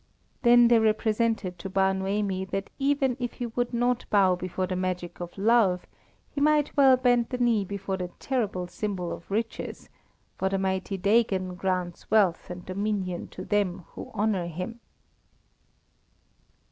Then they represented to Bar Noemi that even if he would not bow before the magic of Love, he might well bend the knee before the terrible symbol of Riches, for the mighty Dagon grants wealth and dominion to them who honour him.